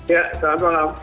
ya selamat malam